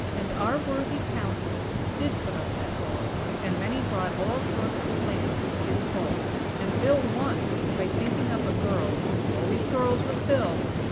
And our worthy Council did put up that goal, and many brought all sorts of plans to City Hall. And Bill won, by thinking up a girls' (always girls, with Bill!)